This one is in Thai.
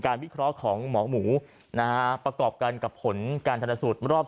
วิเคราะห์ของหมอหมูนะฮะประกอบกันกับผลการทันสูตรรอบ